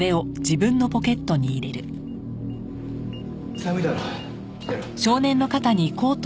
寒いだろう？